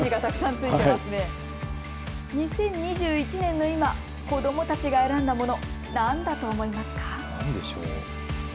２０２１年の今、子どもたちが選んだもの、何だと思いますか。